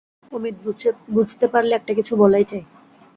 অমিত বুঝতে পারলে, একটা-কিছু বলাই চাই।